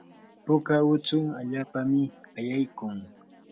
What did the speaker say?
puka utsu allapami ayaykun.